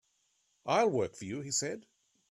"I'll work for you," he said.